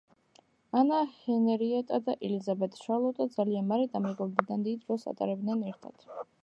ანა ჰენრიეტა და ელიზაბეთ შარლოტა ძალიან მალე დამეგობრდნენ და დიდ დროს ატარებდნენ ერთად.